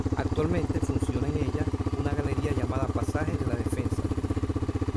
Actualmente funciona en ella una galería llamada Pasaje de la Defensa.